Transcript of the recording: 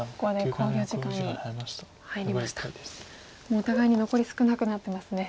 もうお互いに残り少なくなってますね。